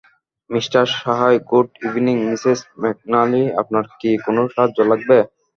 Mister Sahay - good evening missus McNally - আপনার কি কোন সাহায্য লাগবে?